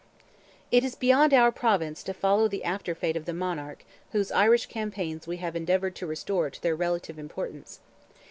It is beyond our province to follow the after fate of the monarch, whose Irish campaigns we have endeavoured to restore to their relative importance.